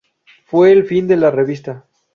Fue el fin de la "Revista".